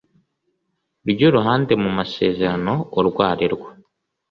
ry uruhande mu masezerano urwo ari rwo